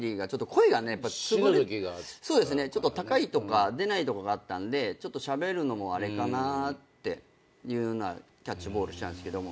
声がやっぱつぶれ高いとか出ないとかがあったんでしゃべるのもあれかなっていうようなキャッチボールしてたんですけど。